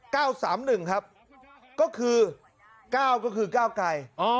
เก้าสามหนึ่งครับก็คือเก้าก็คือก้าวไกร